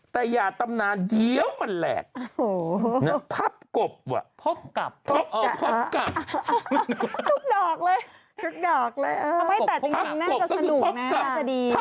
แต่อย่าตำนานเดี๋ยวมันแหลกพับกบว่ะพกกลับพกเอาพกกลับทุกดอกเลยทุกดอกเลยไม่แต่จริงน่าจะสนุกนะน่าจะดี